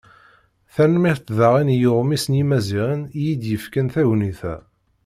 Tanemmirt daɣen i uɣmis n Yimaziɣen i yi-d-yefkan tagnit-a.